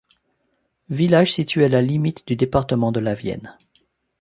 Village situé à la limite du département de la Vienne.